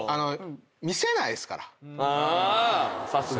さすが。